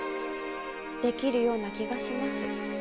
できるような気がします。